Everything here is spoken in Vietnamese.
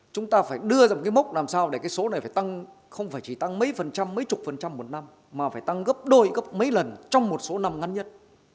chúng ta phải đưa ra một cái mốc làm sao để cái số này phải tăng không phải chỉ tăng mấy phần trăm mấy chục phần trăm một năm mà phải tăng gấp đôi gấp mấy lần trong một số năm ngắn nhất